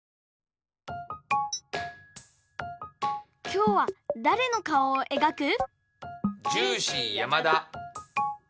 きょうはだれのかおをえがく？